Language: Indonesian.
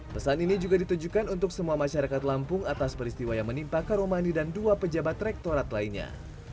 pesan ini juga ditujukan untuk semua masyarakat lampung atas peristiwa yang menimpa karomani dan dua pejabat rektorat lainnya